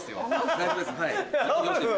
大丈夫ですはい。